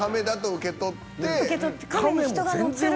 受け取ってカメに人が乗ってるって。